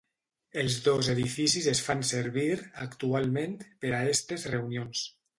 Els dos edificis es fan servir actualment per a estes reunions.